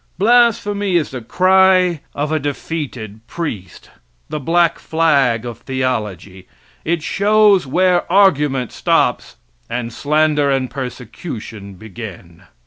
Blasphemy is the cry of a defeated priest the black flag of theology it shows where argument stops and slander and persecution begin.